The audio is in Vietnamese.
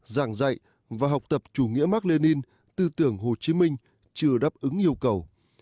giảng dạy và học tập chủ nghĩa mark lenin tư tưởng hồ chí minh chưa đáp ứng yêu cầu